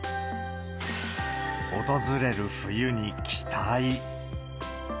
訪れる冬に期待。